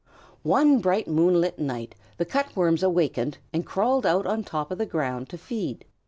One bright moonlight night the Cut Worms awakened and crawled out on top of the ground to feed.